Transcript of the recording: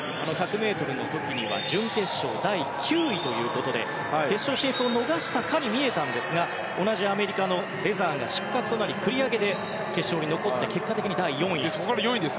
１００ｍの時には準決勝第９位ということで決勝進出を逃したかのように見えたんですが同じアメリカのウェザーが失格となり繰り上げで決勝に残って結果的に第４位。